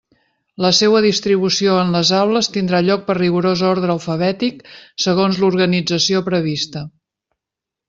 La seua distribució en les aules tindrà lloc per rigorós orde alfabètic segons l'organització prevista.